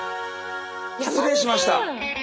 失礼しました。